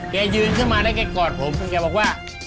ยืนขึ้นมาแล้วแกกอดผมแกบอกว่า